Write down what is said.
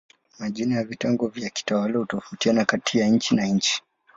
Majina ya vitengo vya kiutawala hutofautiana kati ya nchi na nchi.